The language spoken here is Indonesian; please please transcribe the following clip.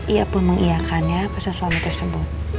ia pun mengiyakannya pasal suami tersebut